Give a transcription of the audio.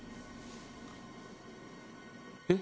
えっ？